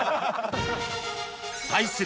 対する